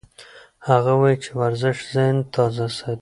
هغه وایي چې ورزش ذهن تازه ساتي.